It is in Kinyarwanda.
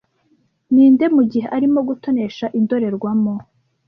ninde mugihe arimo gutonesha indorerwamo